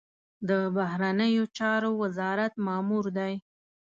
د بهرنیو چارو وزارت مامور دی.